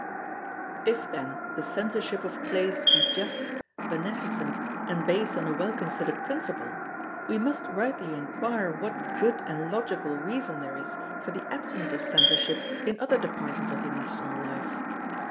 If, then, the Censorship of Plays be just, beneficent, and based on a well considered principle, we must rightly inquire what good and logical reason there is for the absence of Censorship in other departments of the national life.